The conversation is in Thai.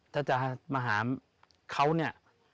ถ้าจะมาหาเขาเนี่ย